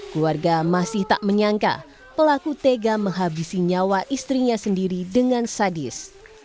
keluarga masih tak menyangka pelaku tega menghabisi nyawa istrinya sendiri dengan sadis